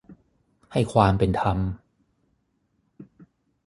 ให้ความเป็นธรรม